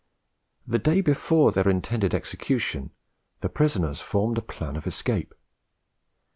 The day before their intended execution, the prisoners formed a plan of escape.